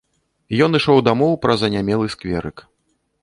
Ён ішоў дамоў праз анямелы скверык.